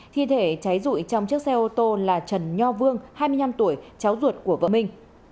thi thể cháy rụi trong chiếc xe ô tô là trần nho vương hai mươi năm tuổi cháu ruột của vợ minh